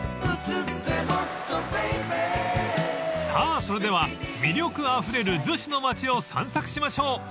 ［さあそれでは魅力あふれる逗子の町を散策しましょう］